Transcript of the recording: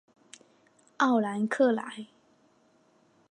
奥兰克莱。